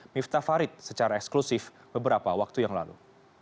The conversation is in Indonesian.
miftah farid secara eksklusif beberapa waktu yang lalu